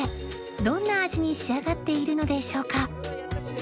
どんな味に仕上がっているのでしょうか？